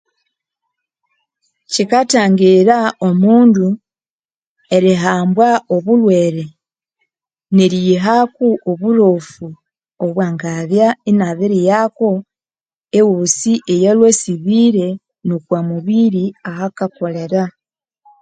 Kyikathangira omundu erihambwa obulhwere neriyihako obulofu obwangabya inabiriyako ewosi eyalhwe asibire nokwa mubiri ahakakolera.